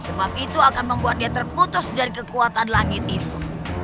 sebab itu akan membuat dia terputus dari kekuatan langit itu